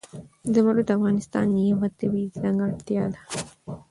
زمرد د افغانستان یوه طبیعي ځانګړتیا ده.